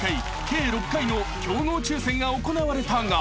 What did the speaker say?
計６回の競合抽選が行われたが］